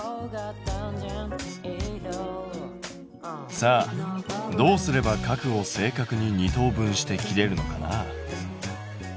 さあどうすれば角を正確に二等分して切れるのかな？